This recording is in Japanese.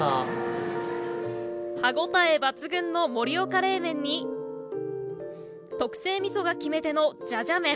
歯応え抜群の盛岡冷麺に特製みそが決め手のじゃじゃ麺。